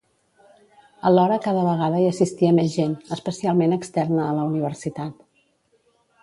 Alhora cada vegada hi assistia més gent, especialment externa a la universitat.